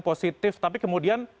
positif tapi kemudian